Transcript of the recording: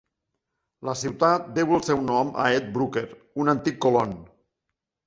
La ciutat deu el seu nom a Ed Brooker, un antic colon.